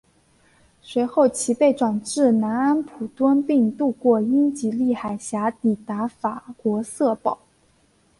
随后其被转移至南安普敦并渡过英吉利海峡抵达法国瑟堡。